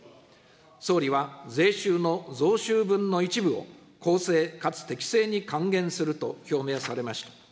総理は税収の増収分の一部を公正かつ適正に還元すると表明されました。